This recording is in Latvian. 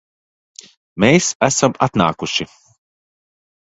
Mēs esam atnākuši